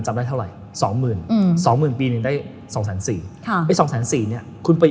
ส๐๒บาทได้มั้ย